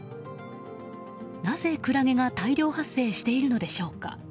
なぜ、クラゲが大量発生しているのでしょうか。